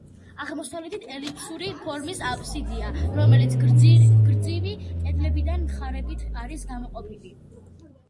აღმოსავლეთით ელიფსური ფორმის აბსიდია, რომელიც გრძივი კედლებიდან მხრებით არის გამოყოფილი.